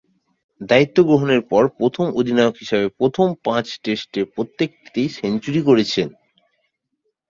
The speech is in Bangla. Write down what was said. দায়িত্ব গ্রহণের পর প্রথম অধিনায়ক হিসেবে প্রথম পাঁচ টেস্টের প্রতিটিতেই সেঞ্চুরি করেছেন।